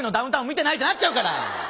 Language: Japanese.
見てない？ってなっちゃうから！